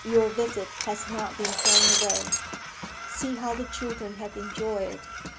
Your visit has not been thrown away. See how the children have enjoyed it!